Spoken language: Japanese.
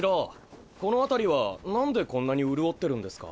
このあたりは何でこんなに潤ってるんですか？